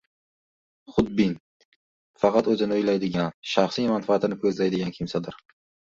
xudbin, faqat o‘zini o‘ylaydigan, shaxsiy manfaatini ko‘zlaydigan kimsadir.